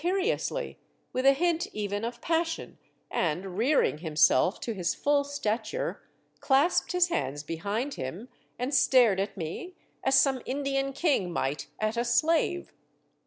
85 riously, with a hint even of passion, and, rearing himself to his full stature, clasped his hands behind him, and stared at me as some Indian King might at a slave.